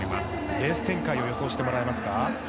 レース展開を予想してもらえますか？